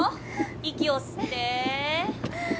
息を吸ってはあ